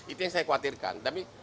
itu yang saya khawatirkan